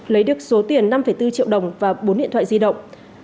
lấy được số tiền năm bốn triệu đồng và bốn điện thoại di động